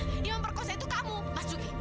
yang memperkosa itu kamu mas duki